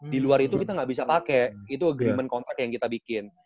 di luar itu kita gak bisa pake itu agreement kontrak yang kita bikin